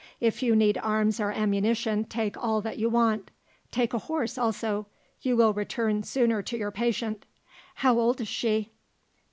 If you need arms or ammunition take all that you want. Take a horse also; you will return sooner to your patient how old is she?"